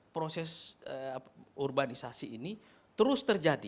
proses urbanisasi ini terus terjadi